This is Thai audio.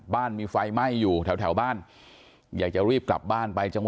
บ้านมีไฟไหม้อยู่แถวบ้านอยากจะรีบกลับบ้านไปจังห